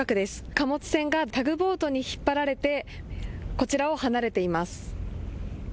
貨物船がタグボートに引っ張られてこちらを離れています。